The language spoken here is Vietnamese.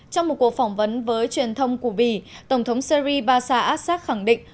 trong một cuộc phỏng vấn với truyền thông quốc bì tổng thống syri basa assad khẳng định